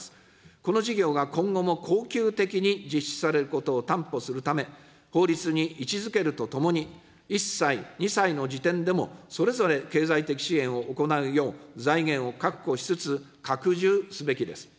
この事業が今後も恒久的に実施されることを担保するため、法律に位置づけるとともに、１歳、２歳の時点でも、それぞれ経済的支援を行うよう、財源を確保しつつ、拡充すべきです。